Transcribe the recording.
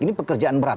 ini pekerjaan berat